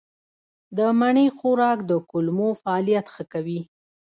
د مڼې خوراک د کولمو فعالیت ښه کوي.